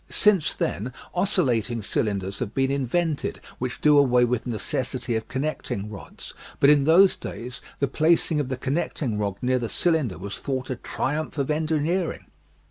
Since then oscillating cylinders have been invented which do away with the necessity of connecting rods, but in those days the placing of the connecting rod near the cylinder was thought a triumph of engineering.